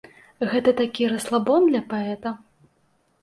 Гэта такі расслабон для паэта.